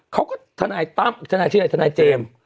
เขาก็ทนายตั้มทนายเจมส์